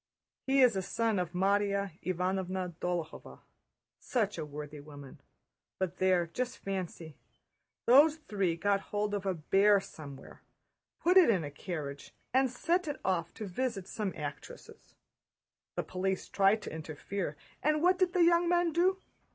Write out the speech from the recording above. "He is a son of Márya Ivánovna Dólokhova, such a worthy woman, but there, just fancy! Those three got hold of a bear somewhere, put it in a carriage, and set off with it to visit some actresses! The police tried to interfere, and what did the young men do?